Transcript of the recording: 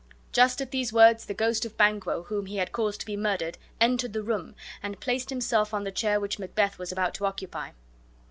just at these words the ghost of Banquo, whom he had caused to be murdered, entered the room and placed himself on the chair which Macbeth was about to occupy.